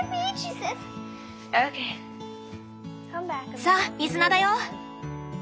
さあ水菜だよ。